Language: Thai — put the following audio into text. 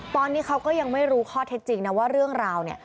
ตอนนี้เขาก็ยังไม่รู้ข้อเท็จจริงนะว่าเรื่องราวเนี่ย